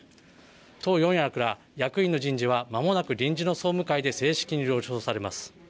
党四役ら役員の人事はまもなく臨時の総務会で正式に了承されます。